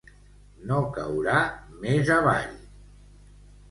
No caurà més avall.